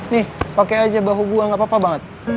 nih pakai aja bahu gua gak apa apa banget